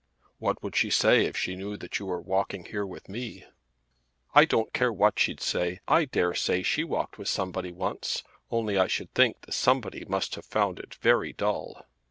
"What would she say if she knew that you were walking here with me?" "I don't care what she'd say. I dare say she walked with somebody once; only I should think the somebody must have found it very dull."